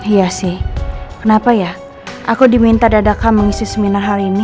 iya sih kenapa ya aku diminta dadakan mengisi seminar hal ini